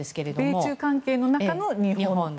米中関係の中の日本と。